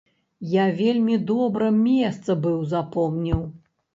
Я вельмі добра месца быў запомніў.